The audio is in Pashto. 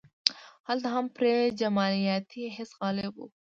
هلته هم پرې جمالیاتي حس غالب و.